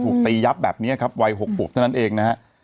ถูกตียับแบบนี้นะครับวัย๖ปุปนั่นเองนะ